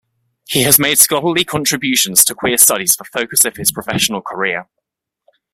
He has made scholarly contributions to queer studies the focus of his professional career.